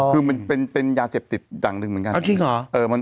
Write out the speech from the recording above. คือมันเป็นยาเสพติดอย่างหนึ่งเหมือนกัน